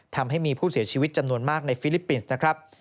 ทำให้มีผู้เสียชีวิตจำนวนมากในฟิลิปปินส์นะครับ